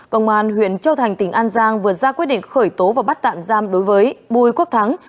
công an tp hcm vừa ra quyết định khởi tố và bắt tạm giam đối với bùi quốc thắng